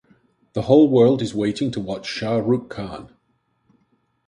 The whole world is waiting to watch Shah Rukh Khan.